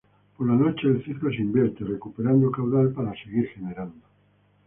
Por la noche el ciclo se invierte, recuperando caudal para seguir generando.